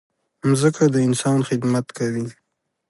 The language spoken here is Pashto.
مځکه د انسان خدمت کوي.